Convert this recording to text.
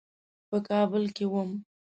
په کابل کې وم.